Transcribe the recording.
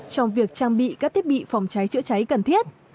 trong việc trang bị các thiết bị phòng cháy chữa cháy cần thiết